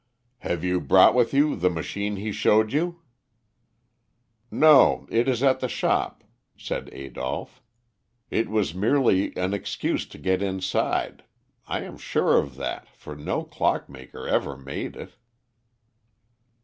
"Have you brought with you the machine he showed you?" "No. It is at the shop," said Adolph. "It was merely an excuse to get inside, I am sure of that, for no clockmaker ever made it."